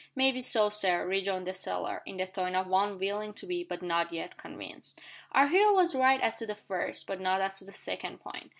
"Maybe so, sir," rejoined the sailor, in the tone of one willing to be, but not yet, convinced. Our hero was right as to the first, but not as to the second, point.